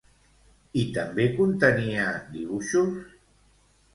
I també contenia dibuixos?